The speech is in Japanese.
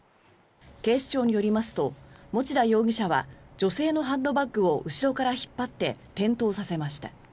警視庁によりますと持田容疑者は女性のハンドバッグを後ろから引っ張って転倒させました。